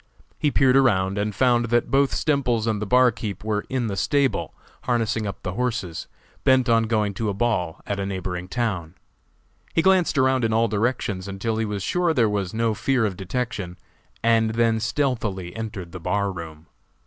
He peered around and found that both Stemples and the barkeeper were in the stable harnessing up the horses, bent on going to a ball at a neighboring town. He glanced around in all directions until he was sure there was no fear of detection, and then stealthily entered the bar room.